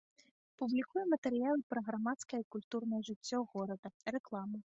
Публікуе матэрыялы пра грамадскае і культурнае жыццё горада, рэкламу.